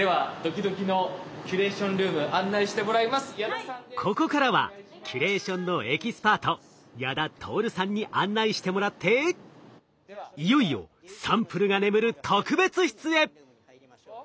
ではドキドキのここからはキュレーションのエキスパート矢田達さんに案内してもらっていよいよサンプルが眠る特別室へ！